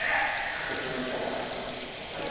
直接言った方が早いか。